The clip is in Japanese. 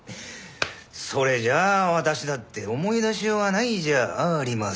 それじゃ私だって思い出しようがないじゃありませんか。